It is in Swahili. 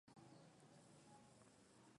alijificha chini ya jina la hoffman